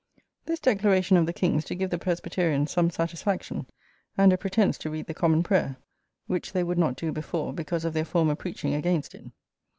This declaration of the King's do give the Presbyterians some satisfaction, and a pretence to read the Common Prayer, which they would not do before because of their former preaching against it.